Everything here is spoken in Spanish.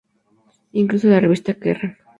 Incluso la revista "Kerrang!